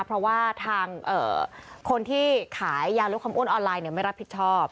เพราะว่าทางคนที่ขายยาลดความอ้วนออนไลน์ไม่รับผิดชอบ